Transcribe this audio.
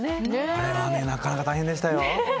あれはなかなか大変でしたよ。